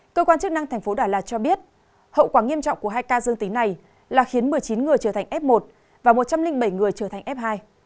cơ quan chức năng tp đà lạt cho biết hậu quả nghiêm trọng của hai ca dương tính này là khiến một mươi chín người trở thành f một và một trăm linh bảy người trở thành f hai